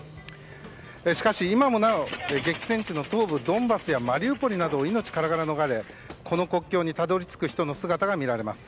しかし、今もなお激戦地の東部ドンバスやマリウポリなどから命からがら逃れこの国境にたどり着く人の姿が見られます。